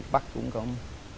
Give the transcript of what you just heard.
bắt cũng không